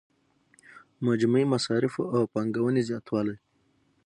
مجموعي مصارفو او پانګونې زیاتوالی.